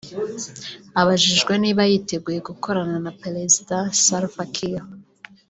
Abajijwe niba yiteguye gukorana na Perezida Salva Kiir